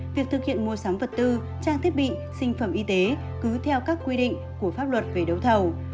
việc thực hiện mua sắm vật tư trang thiết bị sinh phẩm y tế cứ theo các quy định của pháp luật về đấu thầu